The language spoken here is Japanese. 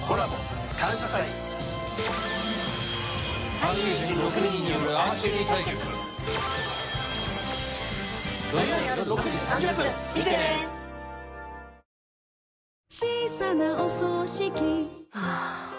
俳優陣６人によるアーチェリー対決土曜よる６時３０分見てね吾輩は栄養である